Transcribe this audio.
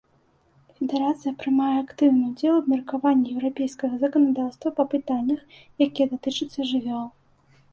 Федэрацыя прымае актыўны ўдзел у абмеркаванні еўрапейскага заканадаўства па пытаннях, якія датычацца жывёл.